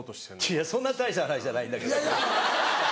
いやそんな大した話じゃないんだけど。